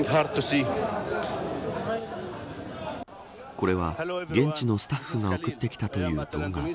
これは、現地のスタッフが送ってきたという動画。